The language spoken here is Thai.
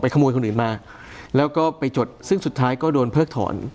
ขโมยคนอื่นมาแล้วก็ไปจดซึ่งสุดท้ายก็โดนเพิกถอน